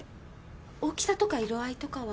大きさとか色合いとかは？